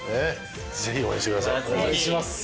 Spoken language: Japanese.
ぜひ応援してください。